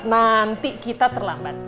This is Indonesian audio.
nanti kita terlambat